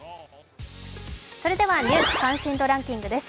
ニュース関心度ランキングです。